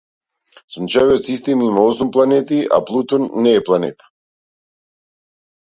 Сончевиот систем има осум планети, а Плутон не е планета.